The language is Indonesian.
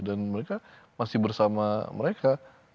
dan mereka masih bersama mereka